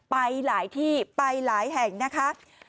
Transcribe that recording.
ไปหลายที่ไปหลายแห่งนะคะ